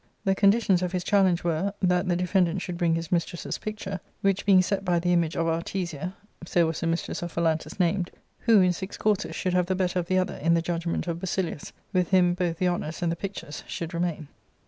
The conditions of his challenge were^ that the defendant should bring his mistress's picture, which being set by the image of Artesja— so was the mistress of Phalantus named — who in six courses should have the better of the other in the judgment of Basilius, with him both the honours and the pictures should remain.